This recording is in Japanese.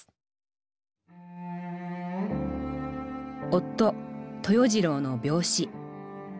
夫豊次郎の病死。